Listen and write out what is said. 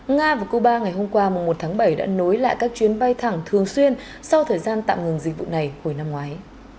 nga và cuba ngày hôm qua một tháng bảy đã nối lại các chuyến bay thẳng thường xuyên sau thời gian tạm ngừng dịch vụ này hồi năm ngoái